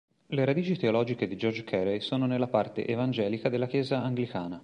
Le radici teologiche di George Carey sono nella parte evangelica della Chiesa anglicana.